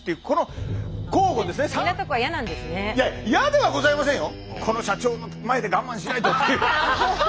いや嫌ではございませんよ。